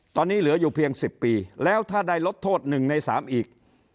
ตอนนี้เหลืออยู่เพียงสิบปีแล้วถ้าได้ลดโทษหนึ่งในสามอีก